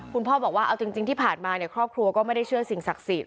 คุณพ่อบอกว่าเอาจริงที่ผ่านมาเนี่ยครอบครัวก็ไม่ได้เชื่อสิ่งศักดิ์สิทธิ